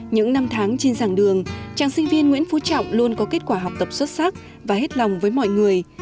những năm tháng trên dàng đường tràng sinh viên nguyễn phú trọng luôn có kết quả học tập xuất sắc và hết lòng với mọi người